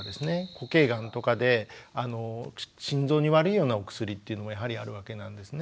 固形がんとかで心臓に悪いようなお薬っていうのはやはりあるわけなんですね。